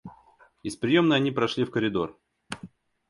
Из приемной они прошли в коридор.